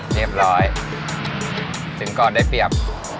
เรียบร้อยถึงก่อนได้เปรียบ